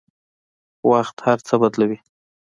وخت هر څه بدلوي.